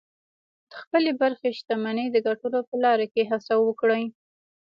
د خپلې برخې شتمنۍ د ګټلو په لاره کې هڅه وکړئ